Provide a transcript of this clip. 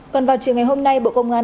còn vào chiều ngày hôm nay bộ công an